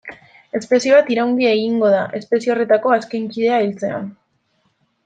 Espezie bat iraungi egingo da espezie horretako azken kidea hiltzean.